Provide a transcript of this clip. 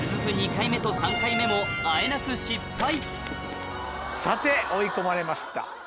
２回目と３回目もあえなく失敗さて追い込まれました。